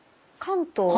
関東？